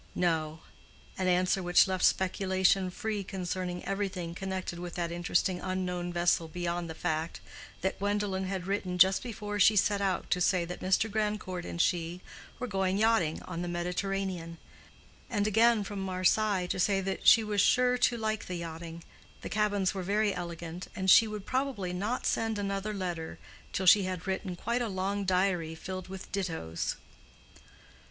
No:—an answer which left speculation free concerning everything connected with that interesting unknown vessel beyond the fact that Gwendolen had written just before she set out to say that Mr. Grandcourt and she were going yachting on the Mediterranean, and again from Marseilles to say that she was sure to like the yachting, the cabins were very elegant, and she would probably not send another letter till she had written quite a long diary filled with dittos.